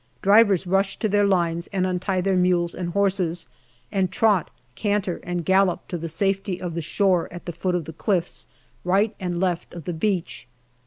Drivers rush to their lines and untie their mules and horses, and trot, canter, and gallop to the safety of the shore at the foot of the cliffs right and left of the beach.